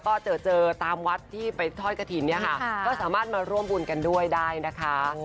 ก็เจอเจอตามวัดที่ไปทอดกระถิ่นเนี่ยค่ะก็สามารถมาร่วมบุญกันด้วยได้นะคะ